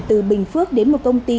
từ bình phước đến một công ty